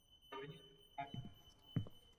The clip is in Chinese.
市场问题也可以用分层广义线性模型来分析。